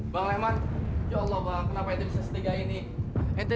bang leman ya allah bang kenapa itu bisa setiga ini